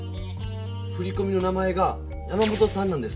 ふりこみの名前が山本さんなんです。